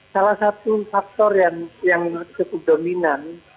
salah satu faktor yang cukup dominan